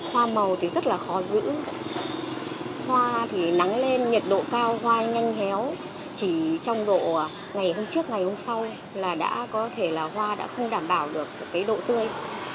hoa màu thì rất là khó giữ hoa thì nắng lên nhiệt độ cao hoa nhanh héo chỉ trong độ ngày hôm trước ngày hôm sau là đã có thể là hoa đã không đảm bảo được cái độ tươi